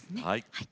はい。